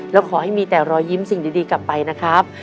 แล้วขอให้มีแต่รอยยิ้มสิ่งดีกลับไปนะครับ